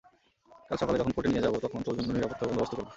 কাল সকালে যখন কোর্টে নিয়ে যাবো, তখন তোর জন্য নিরাপত্তার বন্দোবস্ত করবো।